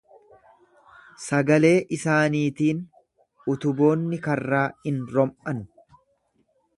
Sagalee isaaniitiin utuboonni karraa in rom'an.